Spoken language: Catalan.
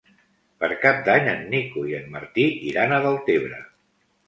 Per Cap d'Any en Nico i en Martí iran a Deltebre.